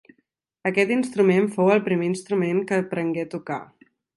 Aquest instrument fou el primer instrument que aprengué a tocar.